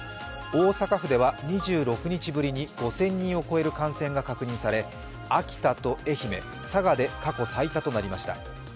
大阪府では２６日ぶりに５０００人を超える感染が確認され秋田と愛媛、佐賀で過去最多となりました。